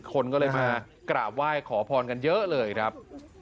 คนก็เลยมากราบไหว้ขอพรกันเยอะเลยครับ